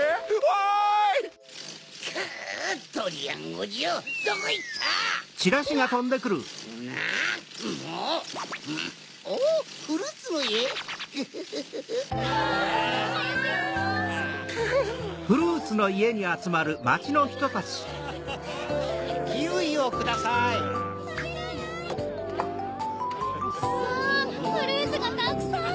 わぁフルーツがたくさん！